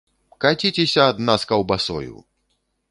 Каціцеся ад нас каўбасою!